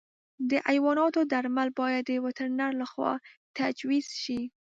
د حیواناتو درمل باید د وترنر له خوا تجویز شي.